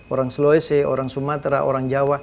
orang sulawesi orang sumatera orang jawa